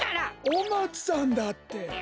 お松さんだって！